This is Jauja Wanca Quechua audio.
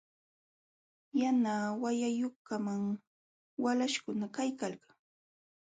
Yana wayayuqkamam walaśhkuna kaykalkan.